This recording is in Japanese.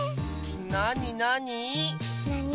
なになに？